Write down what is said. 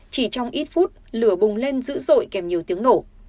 chỉ trong ít phút lửa bùng lên dữ dội kèm nhiều tiếng nổ